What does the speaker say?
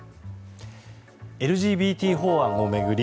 ＬＧＢＴ法案を巡り